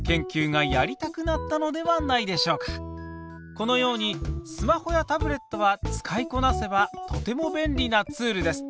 このようにスマホやタブレットは使いこなせばとても便利なツールです。